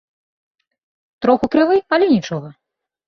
Троху крывы, але нічога.